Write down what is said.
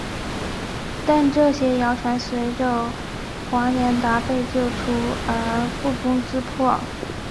但这些谣传随着华年达被救出而不攻自破。